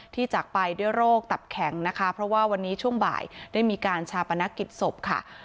จากไปด้วยโรคตับแข็งนะคะเพราะว่าวันนี้ช่วงบ่ายได้มีการชาปนกิจศพค่ะ